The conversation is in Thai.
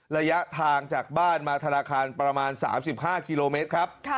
ระยะทางจากบ้านมาธนาคารประมาณ๓๕กิโลเมตรครับ